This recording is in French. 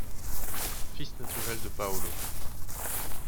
Fils naturel de Paolo.